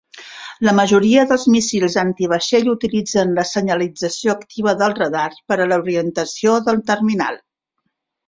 La majoria dels míssils anti-vaixell utilitzen la senyalització activa del radar per a l'orientació del terminal.